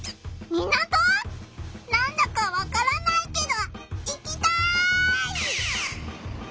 なんだかわからないけど行きたい！